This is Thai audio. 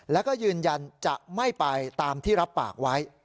แล้วก็ยืนยันจะไม่ไปตามที่รับปากไว้